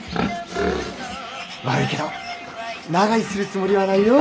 悪いけど長居するつもりはないよ。